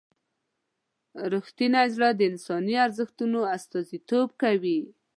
رښتونی زړه د انساني ارزښتونو استازیتوب کوي.